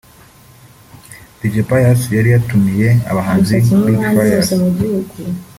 Dj Pius yari yaratumiye abahanzi Big Frious